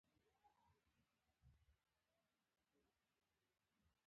له دوی څخه تېر شو، خپلې خبرې ته مو دوام ورکړ.